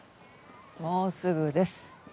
もうすぐです。